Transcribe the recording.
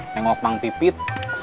tengok kang pipet